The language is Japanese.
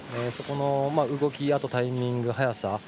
そこの動き、タイミング、速さ